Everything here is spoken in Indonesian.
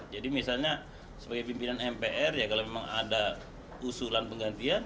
misalnya sebagai pimpinan mpr ya kalau memang ada usulan penggantian